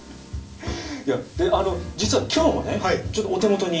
で実は今日もねちょっとお手元に。